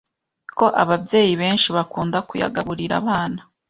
Ko ababyeyi benshi bakunda kuyagaburira Abana